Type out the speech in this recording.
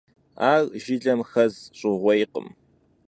Ар жылэм хэз щӏыгъуейкъым.